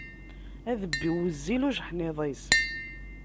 Adebbiw wezzil ujeḥniḍ-is.